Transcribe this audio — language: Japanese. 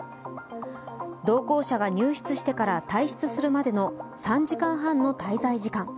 同行者が入室してから退出するまでの３時間半の滞在時間。